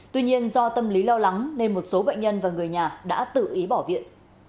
tuy nhiên do tâm lý lo lắng nên một số bệnh nhân và người nhà đã tự ý bỏ viện